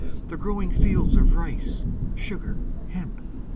the growing fields of rice, sugar, hemp!